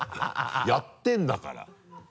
やってるんだから。